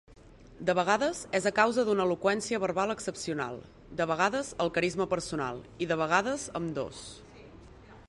De vegades, és a causa d'una eloqüència verbal excepcional, de vegades el carisma personal i de vegades ambdós.